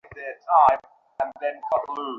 তাহলে, ওম, যদি সে তোমার গার্লফ্রেন্ড না হয়।